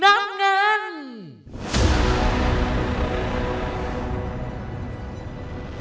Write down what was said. ชีวิตโชคโชนของชายที่ชื่อน้ำเงิน